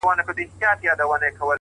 جنون د حسن پر امساء باندې راوښويدی _